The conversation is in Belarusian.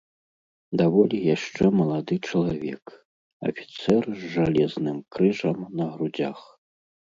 Даволі яшчэ малады чалавек, афіцэр з жалезным крыжам на грудзях.